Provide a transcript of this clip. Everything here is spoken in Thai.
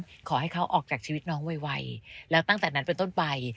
ขอให้เขาออกจากชีวิตน้องไวแล้วตั้งแต่นั้นเป็นต้นไป